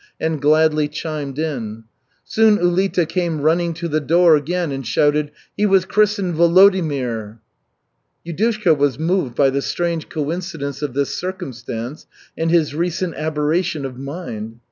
and gladly chimed in. Soon Ulita came running to the door again and shouted, "He was christened Volodimir!" Yudushka was moved by the strange coincidence of this circumstance and his recent aberration of mind.